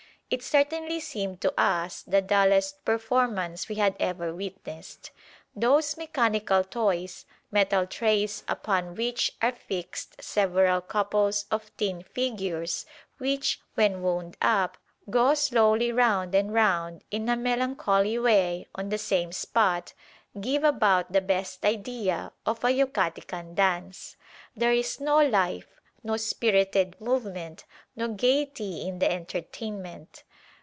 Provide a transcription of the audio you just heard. It certainly seemed to us the dullest performance we had ever witnessed. Those mechanical toys, metal trays upon which are fixed several couples of tin figures which, when wound up, go slowly round and round in a melancholy way on the same spot, give about the best idea of a Yucatecan dance. There is no life, no spirited movement, no gaiety in the entertainment.